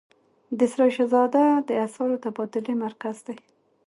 د سرای شهزاده د اسعارو تبادلې مرکز دی